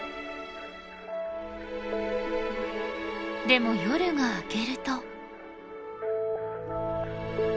でも夜が明けると。